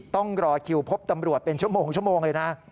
ต้องรอคิวพบตำรวจเป็นชั่วโมงเลยนะ